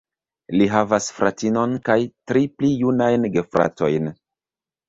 Li havas fratinon kaj tri pli junajn gefratojn.